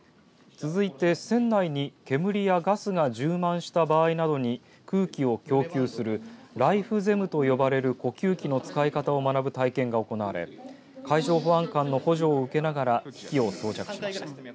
続いて船内に煙やガスが充満した場合などに空気を供給するライフゼムと呼ばれる呼吸器の使い方を学ぶ体験が行われ海上保安官の補助を受けながら機器を装着しました。